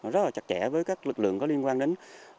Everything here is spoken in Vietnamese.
rất là chặt chẽ với các lực lượng có liên quan đến